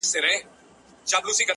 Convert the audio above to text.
چيغې د شپې فضا ډکوي ډېر,